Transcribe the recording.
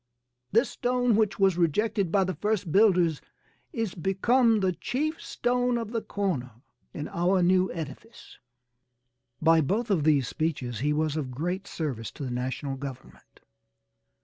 This stone which was rejected by the first builders 'is become the chief stone of the corner' in our new edifice." By both of these speeches he was of great service to the national government.